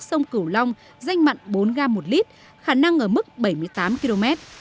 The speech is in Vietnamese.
sông cửu long danh mặn bốn ga một lit khả năng ở mức bảy mươi tám km